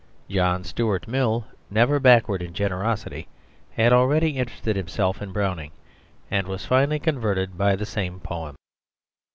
John Stuart Mill, never backward in generosity, had already interested himself in Browning, and was finally converted by the same poem.